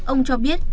ông cho biết